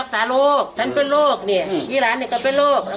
สาโรคฉันเป็นโรคเนี่ยอีหลานเนี่ยก็เป็นโรค